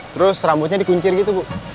terus rambutnya dikuncir gitu bu